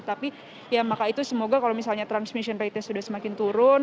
tapi ya maka itu semoga kalau misalnya transmission ratenya sudah semakin turun